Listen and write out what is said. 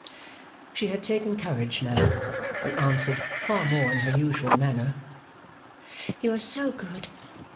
She had taken courage now, and answered, far more in her usual manner, 'You are so good!